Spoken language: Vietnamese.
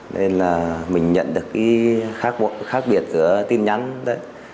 nên là mình nhận được cái khác biệt giữa tin nhắn đấy